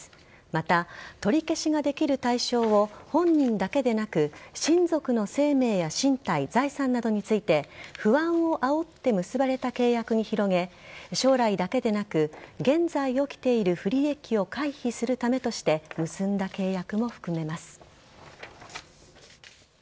また、取り消しができる対象を本人だけでなく親族の生命や身体財産などについて不安をあおって結ばれた契約に広げ将来だけでなく現在、起きている不利益を回避するためとして結んだ契約も含めます。